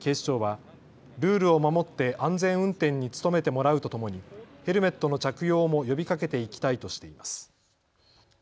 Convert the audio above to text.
警視庁はルールを守って安全運転に努めてもらうとともにヘルメットの着用も呼びかけていきたいとしています。